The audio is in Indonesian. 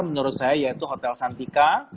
menurut saya yaitu hotel santika